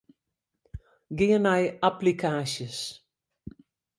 Gean nei applikaasjes.